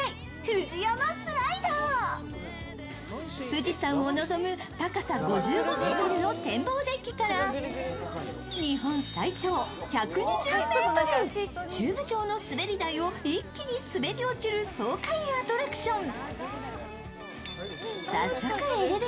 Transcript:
富士山を望む高さ５５ｍの展望デッキから日本最長１２０ｍ、チューブ状の滑り台を一気に滑り落ちる爽快アトラクション。